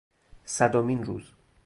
صدمین روز